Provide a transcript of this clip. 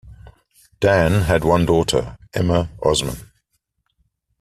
Dan had one daughter, Emma Osman.